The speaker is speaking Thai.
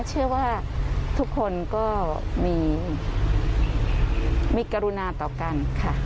เชื่อว่าทุกคนก็มีกรุณาต่อกันค่ะ